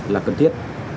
là cần thiết